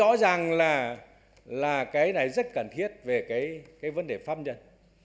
rõ ràng là cái này rất cần thiết về cái vấn đề pháp nhân